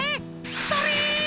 それ！